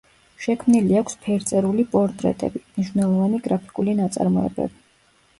შექმნილი აქვს ფერწერული პორტრეტები, მნიშვნელოვანი გრაფიკული ნაწარმოებები.